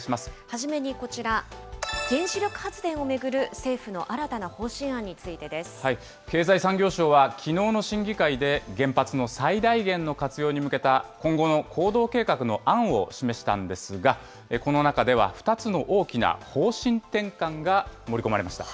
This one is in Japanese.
初めにこちら、原子力発電を巡る政府の新たな方針案について経済産業省はきのうの審議会で、原発の最大限の活用に向けた今後の行動計画の案を示したんですが、この中では、２つの大きな方針転換が盛り込まれました。